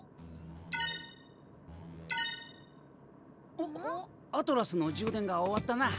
おっアトラスの充電が終わったな。